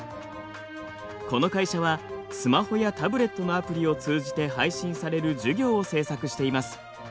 この会社はスマホやタブレットのアプリを通じて配信される授業を制作しています。